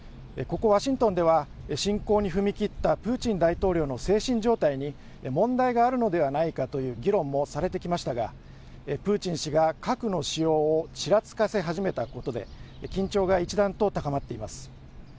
ここワシントンでは侵攻に踏み切ったプーチン大統領の精神状態に問題があるのではないかという議論もされてきましたがプーチン氏が核の使用をちらつかせ始めたことで緊張が一段と高まっています。